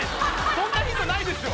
そんなヒントないですよ